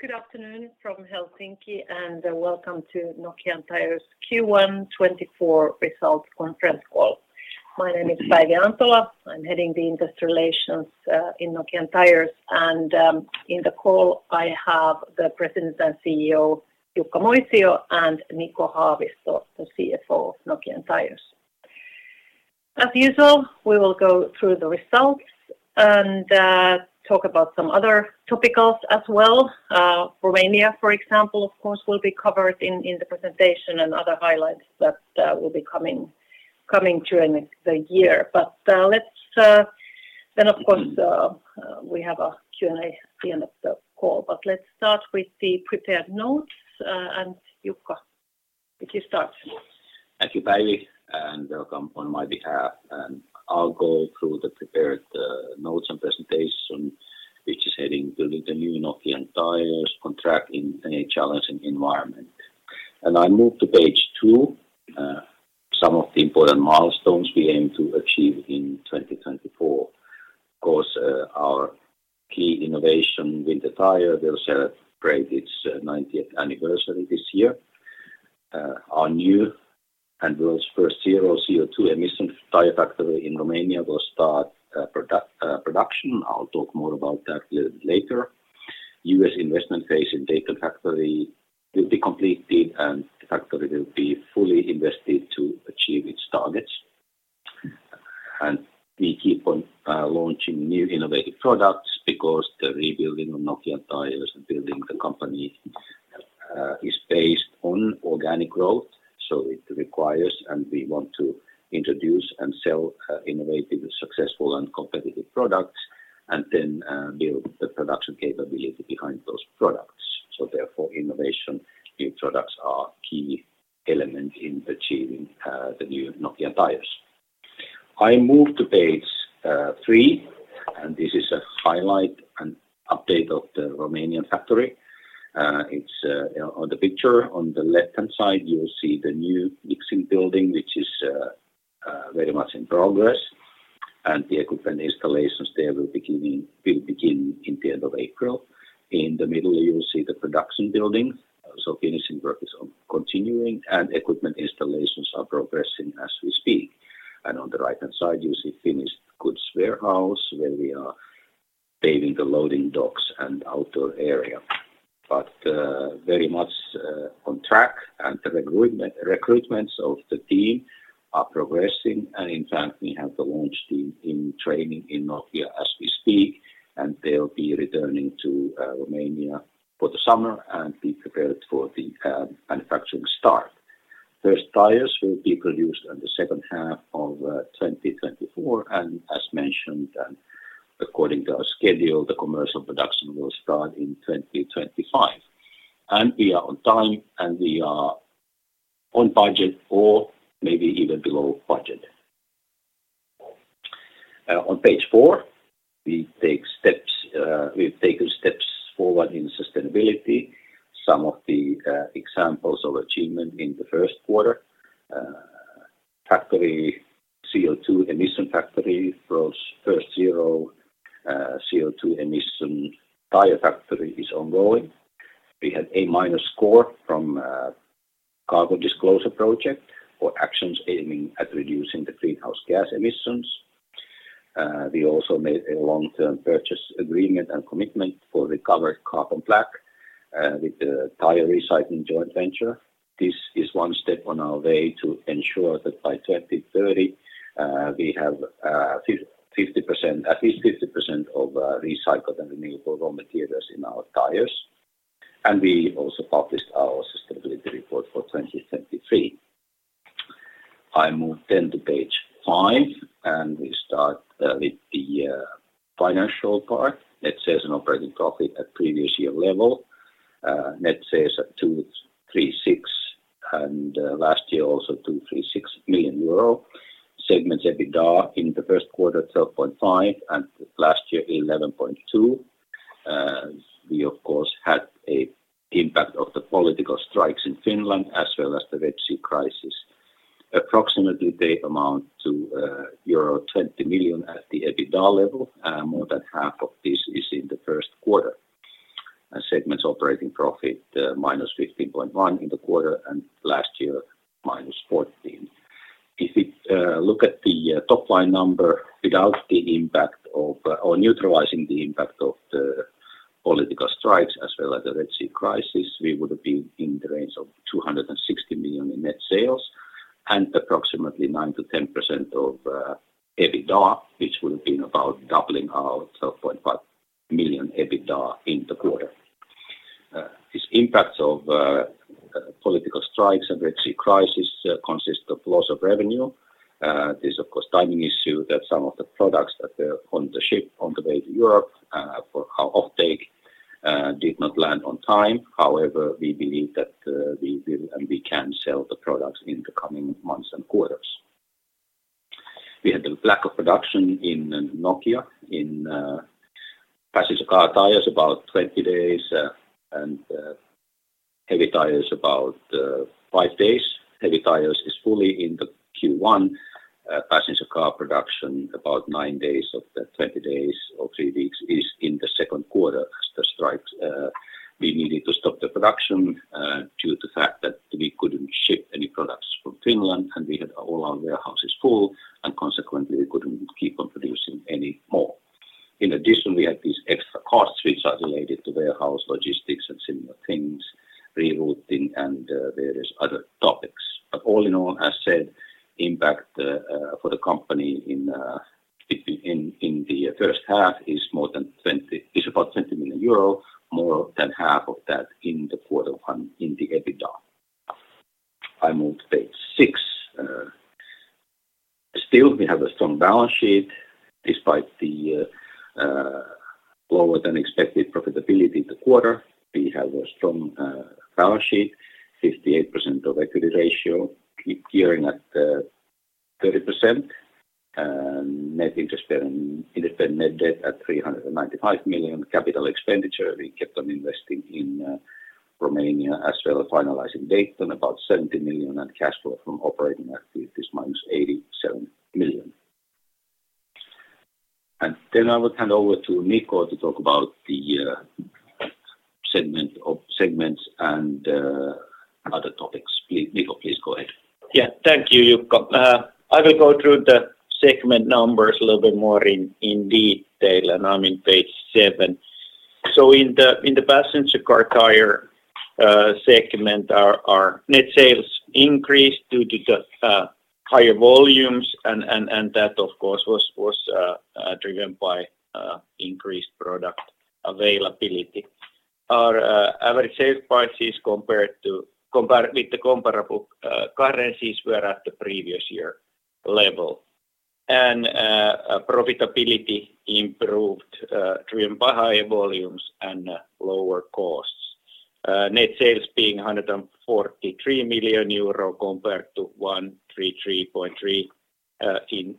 Good afternoon from Helsinki, and welcome to Nokian Tyres Q1 2024 results conference call. My name is Päivi Antola. I'm heading Investor Relations in Nokian Tyres, and in the call I have the President and CEO Jukka Moisio and Niko Haavisto, the CFO of Nokian Tyres. As usual, we will go through the results and talk about some other topics as well. Romania, for example, of course, will be covered in the presentation and other highlights that will be coming during the year, but let's then, of course, we have a Q&A at the end of the call, but let's start with the prepared notes, and Jukka, would you start? Thank you, Päivi, and welcome on my behalf. I'll go through the prepared notes and presentation, which is heading "Building the New Nokian Tyres: Context in a Challenging Environment." I move to page 2, some of the important milestones we aim to achieve in 2024. Of course, our key innovation, Winter Tire, will celebrate its 90th anniversary this year. Our new and world's first zero CO2 emission tire factory in Romania will start production. I'll talk more about that later. U.S. investment phase in Dayton factory will be completed, and the factory will be fully invested to achieve its targets. We keep on launching new innovative products because the rebuilding of Nokian Tyres and building the company is based on organic growth, so it requires, and we want to introduce and sell innovative, successful, and competitive products, and then build the production capability behind those products. So therefore, innovation, new products are a key element in achieving the new Nokian Tyres. I move to page 3, and this is a highlight and update of the Romanian factory. On the picture on the left-hand side, you'll see the new mixing building, which is very much in progress, and the equipment installations there will begin in the end of April. In the middle, you'll see the production building, so finishing work is continuing, and equipment installations are progressing as we speak. And on the right-hand side, you see finished goods warehouse where we are paving the loading docks and outdoor area. Very much on track, and the recruitments of the team are progressing, and in fact, we have the launch team in training in Nokia as we speak, and they'll be returning to Romania for the summer and be prepared for the manufacturing start. First tires will be produced in the second half of 2024, and as mentioned, according to our schedule, the commercial production will start in 2025. We are on time, and we are on budget or maybe even below budget. On page 4, we've taken steps forward in sustainability. Some of the examples of achievement in the first quarter: the first zero CO2 emission tire factory is ongoing. We had an A-minus score from Carbon Disclosure Project for actions aiming at reducing the greenhouse gas emissions. We also made a long-term purchase agreement and commitment for recovered carbon black with the tire recycling joint venture. This is one step on our way to ensure that by 2030, we have at least 50% of recycled and renewable raw materials in our tires, and we also published our sustainability report for 2023. I move then to page 5, and we start with the financial part. It says an operating profit at previous year level. It says 23.6, and last year also 23.6 million euro. Segments EBITDA in the first quarter 12.5 and last year 11.2. We, of course, had an impact of the political strikes in Finland as well as the Red Sea crisis, approximately amounting to euro 20 million at the EBITDA level. More than half of this is in the first quarter. Segments operating profit -15.1 in the quarter and last year -14. If you look at the top line number without the impact of or neutralizing the impact of the political strikes as well as the Red Sea crisis, we would have been in the range of 260 million in net sales and approximately 9%-10% of EBITDA, which would have been about doubling our 12.5 million EBITDA in the quarter. This impact of political strikes and Red Sea crisis consists of loss of revenue. This is, of course, a timing issue that some of the products that were on the ship on the way to Europe for our offtake did not land on time. However, we believe that we will and we can sell the products in the coming months and quarters. We had a lack of production in Nokia in passenger car tires about 20 days and heavy tires about 5 days. Heavy Tyres is fully in the Q1. Passenger car production about 9 days of the 20 days or 3 weeks is in the second quarter as the strikes we needed to stop the production due to the fact that we couldn't ship any products from Finland, and we had all our warehouses full, and consequently, we couldn't keep on producing any more. In addition, we had these extra costs, which are related to warehouse logistics and similar things, rerouting, and various other topics. But all in all, as said, the impact for the company in the first half is more than 20 is about 20 million euro, more than half of that in the quarter in the EBITDA. I move to page 6. Still, we have a strong balance sheet. Despite the lower than expected profitability in the quarter, we have a strong balance sheet, 58% equity ratio, gearing at 30%, net interest and net debt at 395 million, capital expenditure we kept on investing in Romania as well as finalizing Dayton, about 70 million, and cash flow from operating activities minus 87 million. Then I would hand over to Niko to talk about the segments and other topics. Niko, please go ahead. Yeah, thank you, Jukka. I will go through the segment numbers a little bit more in detail, and I'm in page 7. So in the passenger car tire segment, our net sales increased due to the higher volumes, and that, of course, was driven by increased product availability. Our average sales prices compared with the comparable currencies were at the previous year level, and profitability improved driven by higher volumes and lower costs, net sales being 143 million euro compared to 133.3 million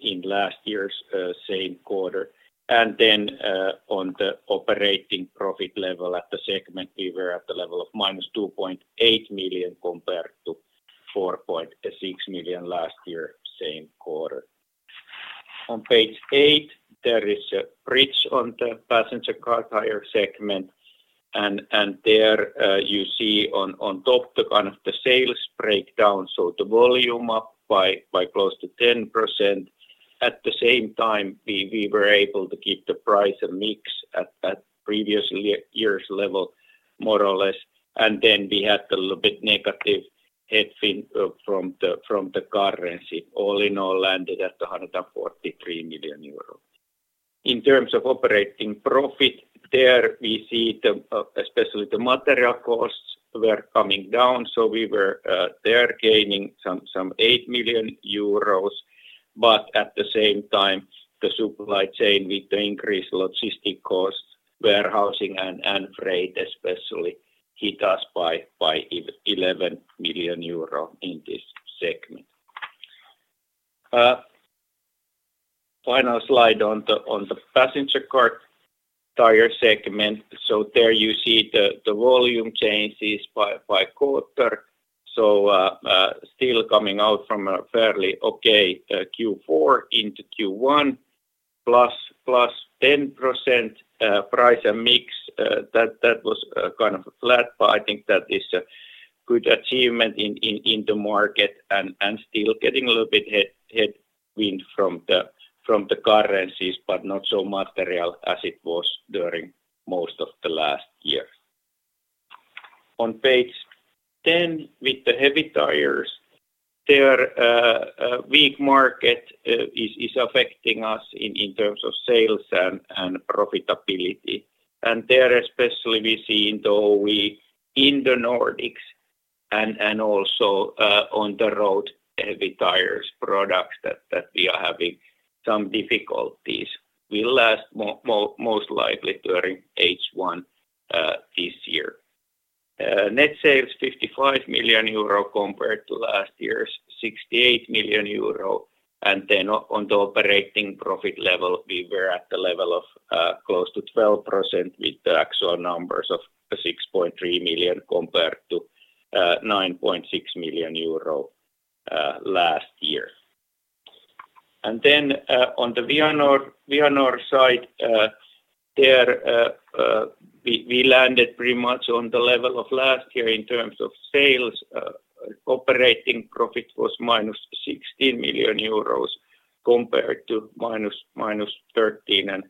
in last year's same quarter. And then on the operating profit level at the segment, we were at the level of minus 2.8 million compared to 4.6 million last year's same quarter. On page 8, there is a bridge on the passenger car tire segment, and there you see on top the kind of the sales breakdown, so the volume up by close to 10%. At the same time, we were able to keep the price and mix at previous year's level, more or less, and then we had a little bit negative headwind from the currency. All in all, landed at 143 million euros. In terms of operating profit, there we see especially the material costs were coming down, so we were there gaining some 8 million euros, but at the same time, the supply chain with the increased logistic costs, warehousing, and freight especially hit us by 11 million euro in this segment. Final slide on the passenger car tire segment. So there you see the volume changes by quarter, so still coming out from a fairly okay Q4 into Q1, +10% price and mix. That was kind of flat, but I think that is a good achievement in the market and still getting a little bit headwind from the currencies, but not so material as it was during most of the last year. On page 10 with the heavy tires, their weak market is affecting us in terms of sales and profitability, and there especially we see in the Nordics and also on the road heavy tires products that we are having some difficulties. It will last most likely during H1 this year. Net sales 55 million euro compared to last year's 68 million euro, and then on the operating profit level, we were at the level of close to 12% with the actual numbers of 6.3 million compared to 9.6 million euro last year. Then on the Vianor side, there we landed pretty much on the level of last year in terms of sales. Operating profit was minus 16 million euros compared to minus 13.5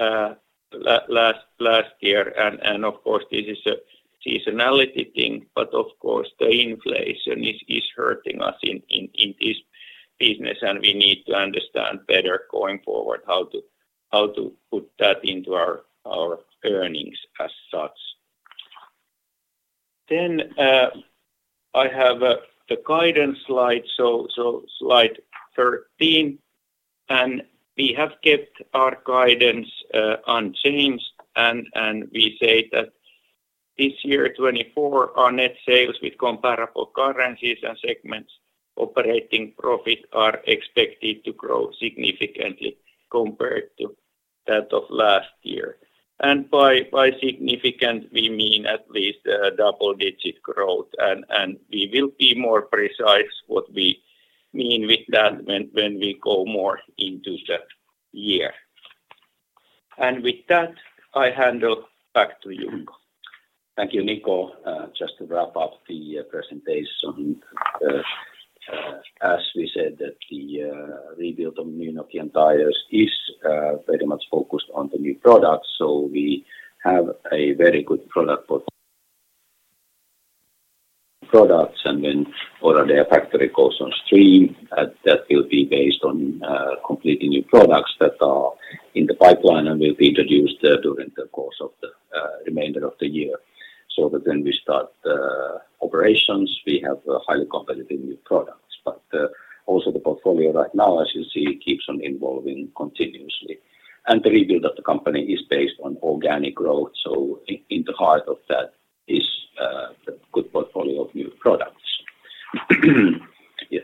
million last year, and of course, this is a seasonality thing, but of course, the inflation is hurting us in this business, and we need to understand better going forward how to put that into our earnings as such. Then I have the guidance slide, so slide 13, and we have kept our guidance unchanged, and we say that this year 2024, our net sales with comparable currencies and segments operating profit are expected to grow significantly compared to that of last year. And by significant, we mean at least double-digit growth, and we will be more precise what we mean with that when we go more into that year. With that, I hand back to Jukka. Thank you, Niko. Just to wrap up the presentation, as we said, that the rebuild of new Nokian Tyres is very much focused on the new products, so we have a very good product portfolio of products, and then all of their factory goes on stream. That will be based on completely new products that are in the pipeline and will be introduced during the course of the remainder of the year, so that when we start operations, we have highly competitive new products. But also the portfolio right now, as you see, keeps on evolving continuously, and the rebuild of the company is based on organic growth, so in the heart of that is the good portfolio of new products.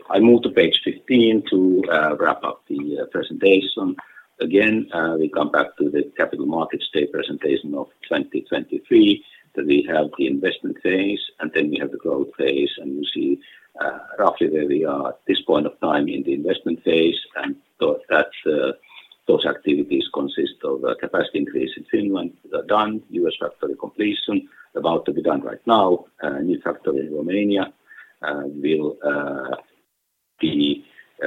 I move to page 15 to wrap up the presentation. Again, we come back to the Capital Markets Day presentation of 2023, that we have the investment phase, and then we have the growth phase, and you see roughly where we are at this point of time in the investment phase and those activities consist of capacity increase in Finland done, U.S. factory completion, about to be done right now, new factory in Romania. We'll be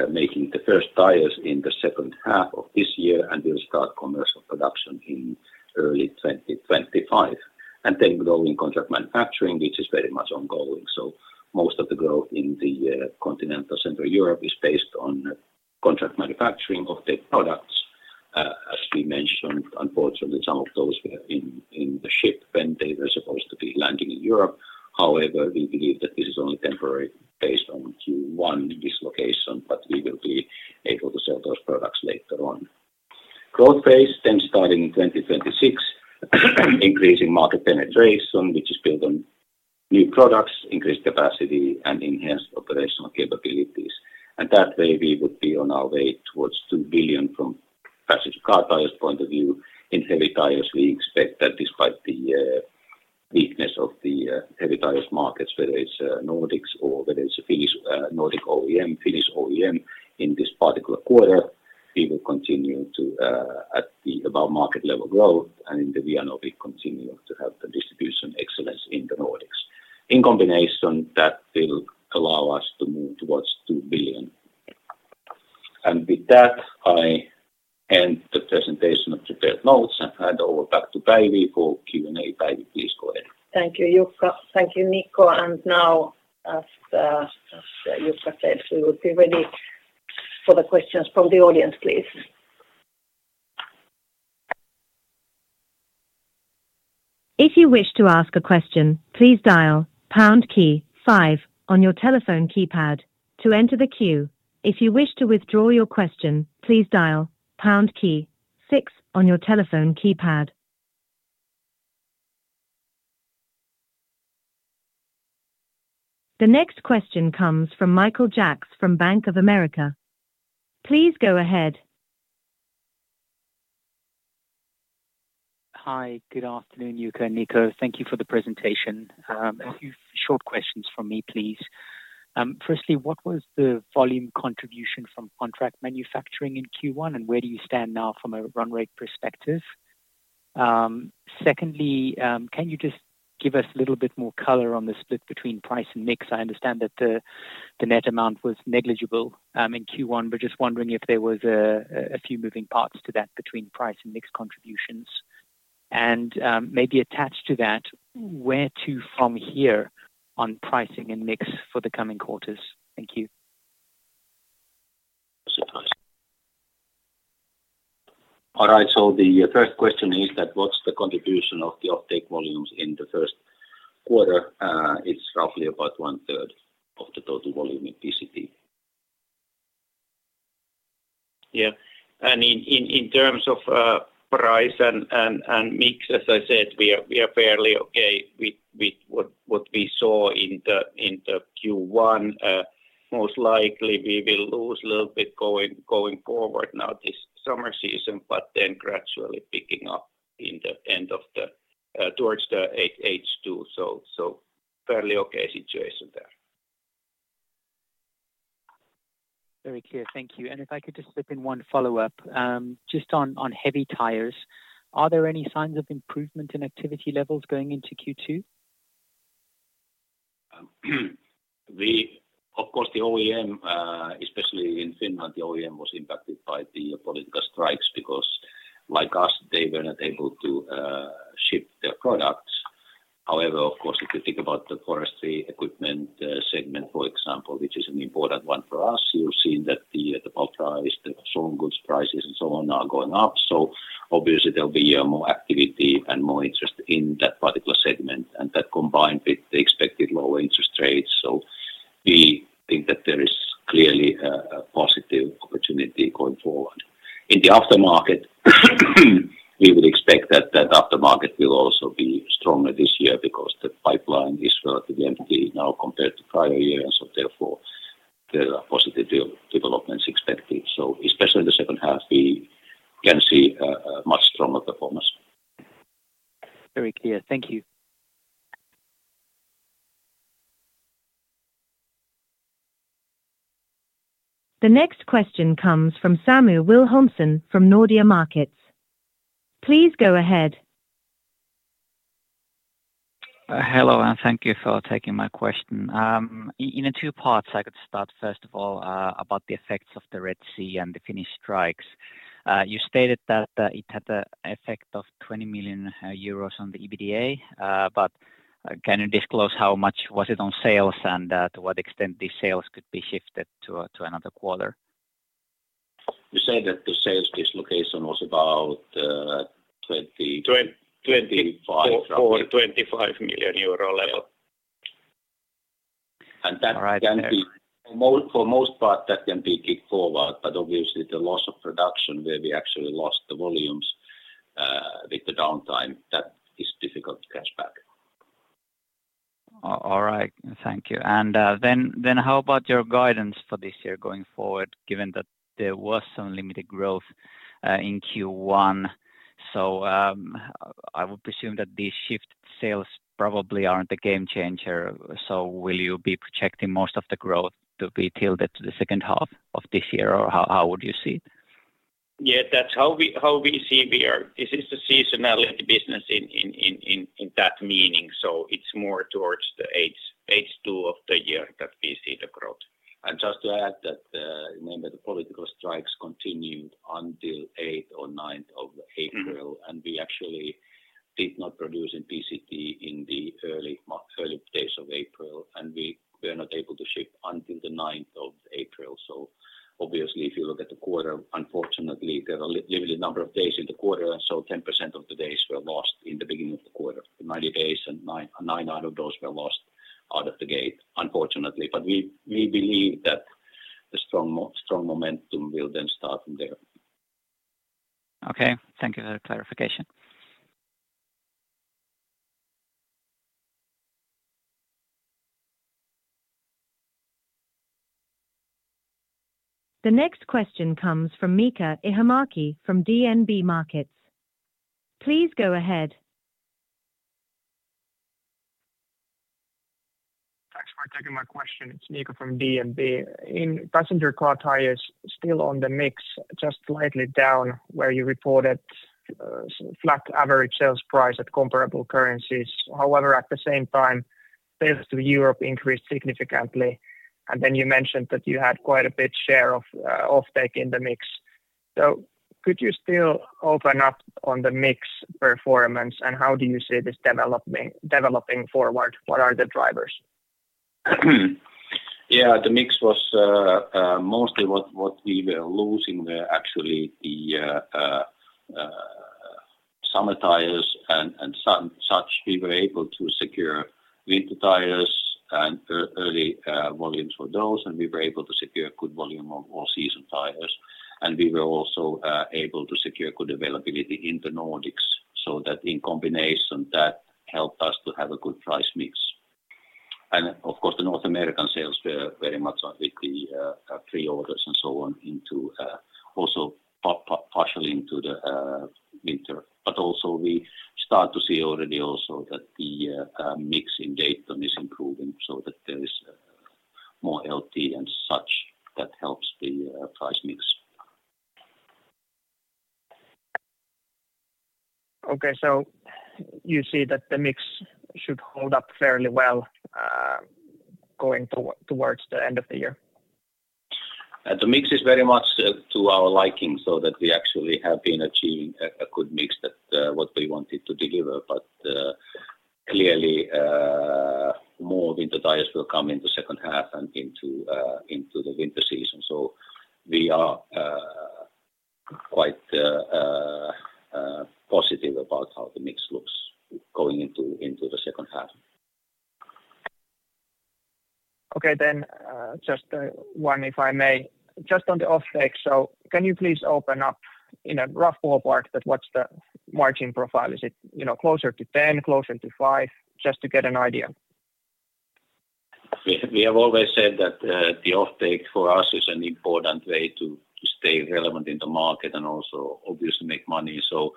making the first tires in the second half of this year, and we'll start commercial production in early 2025, and then growing contract manufacturing, which is very much ongoing. So most of the growth in the continental Central Europe is based on contract manufacturing of the products. As we mentioned, unfortunately, some of those were in the ship when they were supposed to be landing in Europe. However, we believe that this is only temporary based on Q1 dislocation, but we will be able to sell those products later on. Growth phase then starting in 2026, increasing market penetration, which is built on new products, increased capacity, and enhanced operational capabilities. And that way, we would be on our way towards 2 billion from passenger car tires point of view. In heavy tires, we expect that despite the weakness of the heavy tires markets, whether it's Nordics or whether it's a Finnish Nordic OEM, Finnish OEM in this particular quarter, we will continue to at the above market level growth, and in the Vianor, we continue to have the distribution excellence in the Nordics. In combination, that will allow us to move towards 2 billion. And with that, I end the presentation of prepared notes and hand over back to Päivi for Q&A. Päivi, please go ahead. Thank you, Jukka. Thank you, Niko. And now, as Jukka said, we will be ready for the questions from the audience, please. If you wish to ask a question, please dial pound key 5 on your telephone keypad to enter the queue. If you wish to withdraw your question, please dial pound key 6 on your telephone keypad. The next question comes from Michael Jacks from Bank of America. Please go ahead. Hi, good afternoon, Jukka and Niko. Thank you for the presentation. A few short questions from me, please. Firstly, what was the volume contribution from contract manufacturing in Q1, and where do you stand now from a run rate perspective? Secondly, can you just give us a little bit more color on the split between price and mix? I understand that the net amount was negligible in Q1, but just wondering if there was a few moving parts to that between price and mix contributions. And maybe attached to that, where to from here on pricing and mix for the coming quarters? Thank you. All right, so the first question is that what's the contribution of the offtake volumes in the first quarter? It's roughly about one-third of the total volume in PCT. Yeah. I mean, in terms of price and mix, as I said, we are fairly okay with what we saw in the Q1. Most likely, we will lose a little bit going forward now this summer season, but then gradually picking up towards the H2, so fairly okay situation there. Very clear. Thank you. And if I could just slip in one follow-up, just on heavy tires, are there any signs of improvement in activity levels going into Q2? Of course, the OEM, especially in Finland, the OEM was impacted by the political strikes because, like us, they were not able to ship their products. However, of course, if you think about the forestry equipment segment, for example, which is an important one for us, you've seen that the bulk price, the storm goods prices, and so on are going up. So obviously, there'll be more activity and more interest in that particular segment, and that combined with the expected lower interest rates. So we think that there is clearly a positive opportunity going forward. In the aftermarket, we would expect that that aftermarket will also be stronger this year because the pipeline is relatively empty now compared to prior years, so therefore, there are positive developments expected. So especially in the second half, we can see a much stronger performance. Very clear. Thank you. The next question comes from Samu Wilhelmsen from Nordea Markets. Please go ahead. Hello, and thank you for taking my question. In two parts, I could start, first of all, about the effects of the Red Sea and the Finnish strikes. You stated that it had an effect of 20 million euros on the EBITDA, but can you disclose how much was it on sales and to what extent these sales could be shifted to another quarter? You said that the sales dislocation was about 25. EUR 25 million level. That can be for most part, that can be kicked forward, but obviously, the loss of production where we actually lost the volumes with the downtime, that is difficult to catch back. All right. Thank you. And then how about your guidance for this year going forward, given that there was some limited growth in Q1? So I would presume that these shifted sales probably aren't a game changer. So will you be projecting most of the growth to be tilted to the second half of this year, or how would you see it? Yeah, that's how we see we are. This is the seasonality business in that meaning, so it's more towards the H2 of the year that we see the growth. Just to add that, remember, the political strikes continued until 8th or 9th of April, and we actually did not produce in PCT in the early days of April, and we were not able to ship until the 9th of April. So obviously, if you look at the quarter, unfortunately, there are limited number of days in the quarter, and so 10% of the days were lost in the beginning of the quarter, 90 days, and 9 out of those were lost out of the gate, unfortunately. But we believe that the strong momentum will then start from there. Okay. Thank you for the clarification. The next question comes from Mika Ihamäki from DNB Markets. Please go ahead. Thanks for taking my question. It's Mika from DNB. In passenger car tires, still on the mix, just slightly down where you reported flat average sales price at comparable currencies. However, at the same time, sales to Europe increased significantly, and then you mentioned that you had quite a bit share of offtake in the mix. So could you still open up on the mix performance, and how do you see this developing forward? What are the drivers? Yeah, the mix was mostly what we were losing were, actually, the summer tires and such. We were able to secure winter tires and early volumes for those, and we were able to secure good volume of all-season tires. And we were also able to secure good availability in the Nordics, so that in combination, that helped us to have a good price mix. And of course, the North American sales were very much with the pre-orders and so on also partially into the winter. But also we start to see already also that the mix in Dayton is improving, so that there is more LT and such that helps the price mix. Okay, so you see that the mix should hold up fairly well going towards the end of the year? The mix is very much to our liking, so that we actually have been achieving a good mix that what we wanted to deliver. But clearly, more winter tires will come into second half and into the winter season, so we are quite positive about how the mix looks going into the second half. Okay, then just one, if I may, just on the offtake, so can you please open up in a rough ballpark that what's the margin profile? Is it closer to 10, closer to 5, just to get an idea? We have always said that the offtake for us is an important way to stay relevant in the market and also obviously make money. So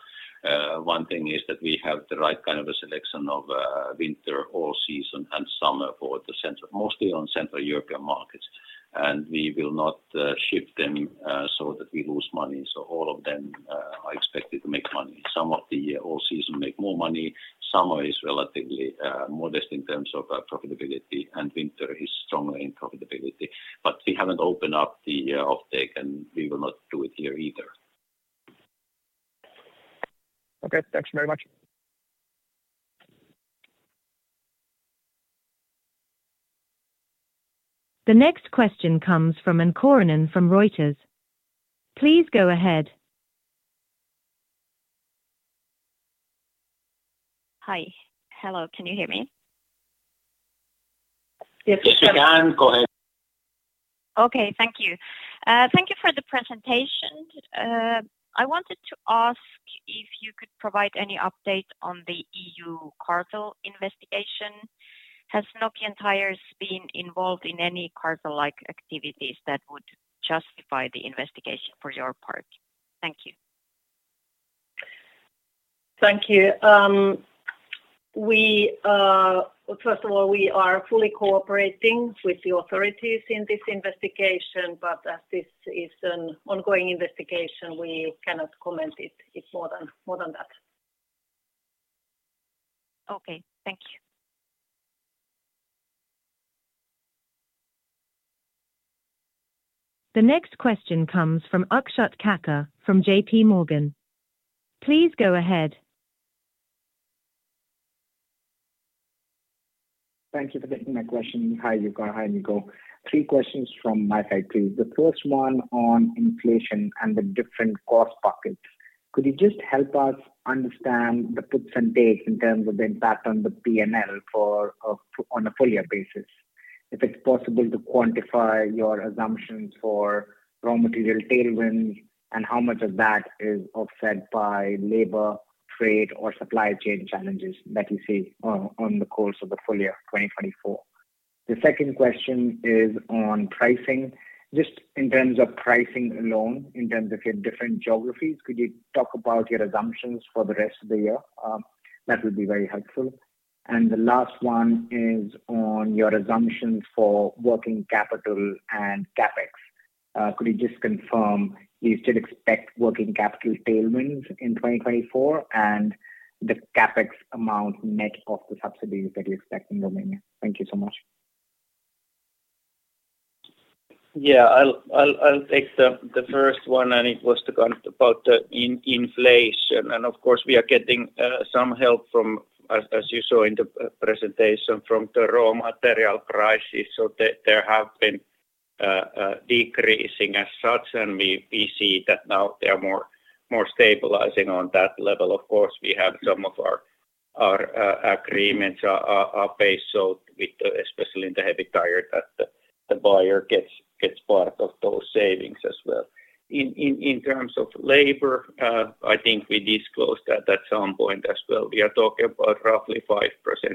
one thing is that we have the right kind of a selection of winter, all-season, and summer for the mostly on Central European markets, and we will not shift them so that we lose money. So all of them are expected to make money. Some of the all-season make more money. Summer is relatively modest in terms of profitability, and winter is stronger in profitability. But we haven't opened up the offtake, and we will not do it here either. Okay. Thanks very much. The next question comes from Anne Kauranen from Reuters. Please go ahead. Hi. Hello. Can you hear me? Yes, we can. Yes, we can. Go ahead. Okay. Thank you. Thank you for the presentation. I wanted to ask if you could provide any update on the EU cartel investigation. Has Nokian Tyres been involved in any cartel-like activities that would justify the investigation for your part? Thank you. Thank you. First of all, we are fully cooperating with the authorities in this investigation, but as this is an ongoing investigation, we cannot comment it more than that. Okay. Thank you. The next question comes from Akshat Kakka from JP Morgan. Please go ahead. Thank you for getting my question. Hi, Jukka. Hi, Niko. Three questions from my side, please. The first one on inflation and the different cost pockets. Could you just help us understand the puts and takes in terms of the impact on the P&L on a full year basis? If it's possible to quantify your assumptions for raw material tailwinds and how much of that is offset by labor, trade, or supply chain challenges that you see on the course of the full year 2024. The second question is on pricing. Just in terms of pricing alone, in terms of your different geographies, could you talk about your assumptions for the rest of the year? That would be very helpful. And the last one is on your assumptions for working capital and CapEx. Could you just confirm you still expect working capital tailwinds in 2024 and the CapEx amount net of the subsidies that you expect in Romania? Thank you so much. Yeah. I'll take the first one, and it was about the inflation. And of course, we are getting some help from, as you saw in the presentation, from the raw material prices. So there have been decreasing as such, and we see that now they are more stabilizing on that level. Of course, we have some of our agreements are based so with especially in the heavy tire that the buyer gets part of those savings as well. In terms of labor, I think we disclosed that at some point as well. We are talking about roughly 5%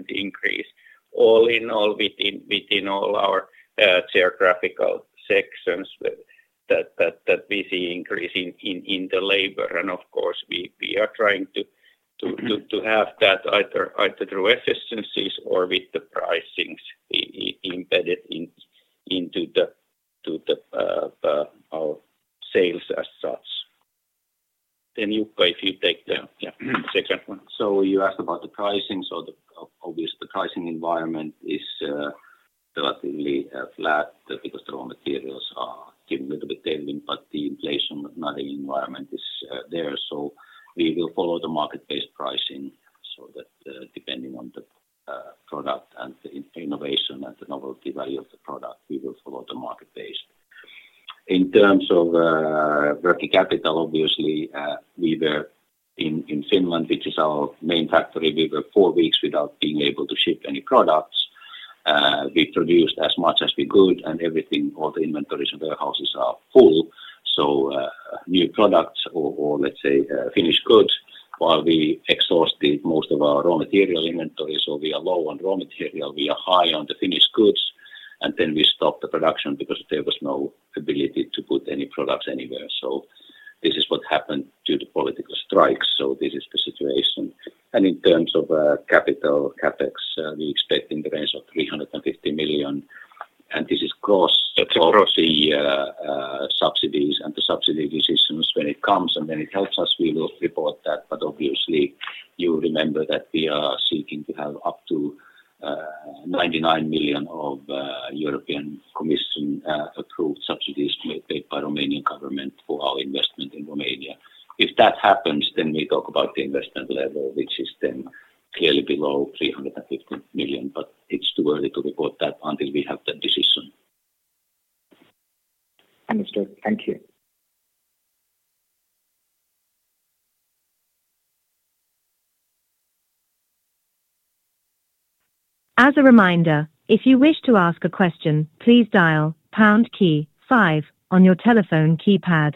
increase all in all within all our geographical sections that we see increase in the labor. And of course, we are trying to have that either through efficiencies or with the pricings embedded into our sales as such. Then Jukka, if you take the second one. So you asked about the pricing. So obviously, the pricing environment is relatively flat because the raw materials are given a little bit tailwind, but the inflation nudging environment is there. So we will follow the market-based pricing so that depending on the product and the innovation and the novelty value of the product, we will follow the market-based. In terms of working capital, obviously, we were in Finland, which is our main factory. We were four weeks without being able to ship any products. We produced as much as we could, and all the inventories and warehouses are full. So new products or, let's say, finished goods, while we exhausted most of our raw material inventory, so we are low on raw material, we are high on the finished goods, and then we stopped the production because there was no ability to put any products anywhere. This is what happened due to political strikes. This is the situation. In terms of capital, CapEx, we expect in the range of 350 million, and this is across the subsidies and the subsidy decisions when it comes, and when it helps us, we will report that. But obviously, you remember that we are seeking to have up to 99 million of European Commission-approved subsidies paid by the Romanian government for our investment in Romania. If that happens, then we talk about the investment level, which is then clearly below 350 million, but it's too early to report that until we have that decision. Understood. Thank you. As a reminder, if you wish to ask a question, please dial pound key 5 on your telephone keypad.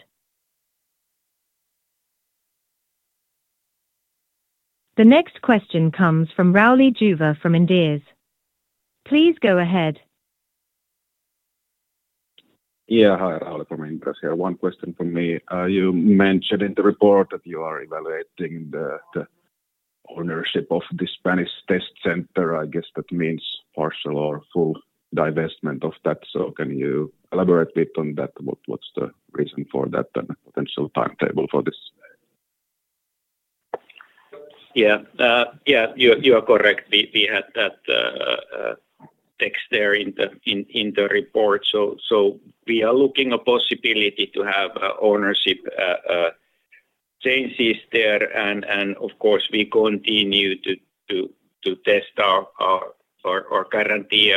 The next question comes from Rowley Juva from Inderes. Please go ahead. Yeah. Hi, Rowley from Inderes here. One question from me. You mentioned in the report that you are evaluating the ownership of the Spanish test center. I guess that means partial or full divestment of that. So can you elaborate a bit on that? What's the reason for that and a potential timetable for this? Yeah. Yeah, you are correct. We had that text there in the report. So we are looking at a possibility to have ownership changes there. And of course, we continue to test our guaranteed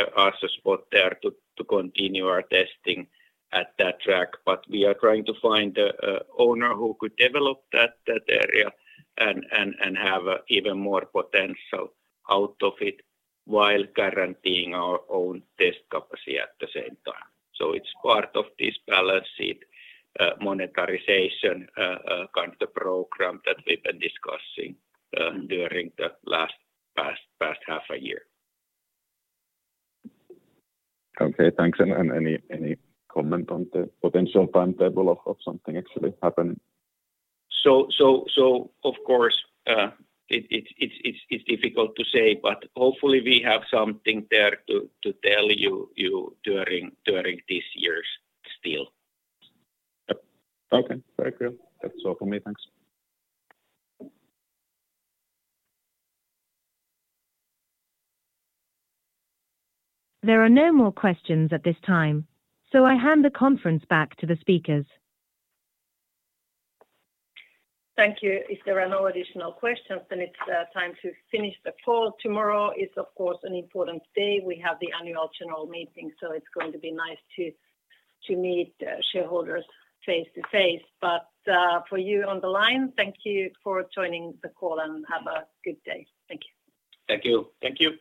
spot there to continue our testing at that track, but we are trying to find the owner who could develop that area and have even more potential out of it while guaranteeing our own test capacity at the same time. So it's part of this balance sheet monetization kind of program that we've been discussing during the last half a year. Okay. Thanks. And any comment on the potential timetable of something actually happening? Of course, it's difficult to say, but hopefully, we have something there to tell you during this year still. Okay. Very good. That's all for me. Thanks. There are no more questions at this time, so I hand the conference back to the speakers. Thank you. If there are no additional questions, then it's time to finish the call. Tomorrow is, of course, an important day. We have the annual general meeting, so it's going to be nice to meet shareholders face to face. But for you on the line, thank you for joining the call and have a good day. Thank you. Thank you. Thank you.